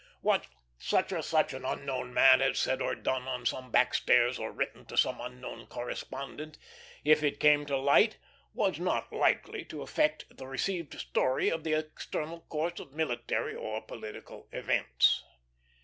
What such or such an unknown man had said or done on some back stairs, or written to some unknown correspondent, if it came to light, was not likely to affect the received story of the external course of military or political events.